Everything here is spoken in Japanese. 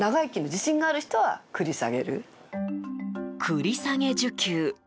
繰り下げ受給。